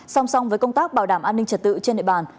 song song với công tác bảo đảm an ninh trật tự trên địa bàn